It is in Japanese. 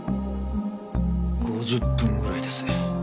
５０分ぐらいです。